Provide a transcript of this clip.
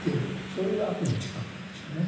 そういう悪の自覚なんでしょうね。